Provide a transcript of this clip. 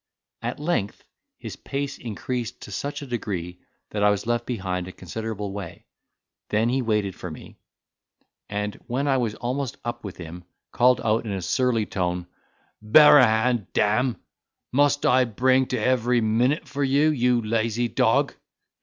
At length his pace increased to such a degree that I was left behind a considerable way: then he waited for me; and when I was almost up with him, called out in a surly tone, "Bear a hand, damme! must I bring to every minute for you, you lazy dog."